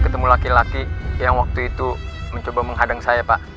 ketemu laki laki yang waktu itu mencoba menghadang saya pak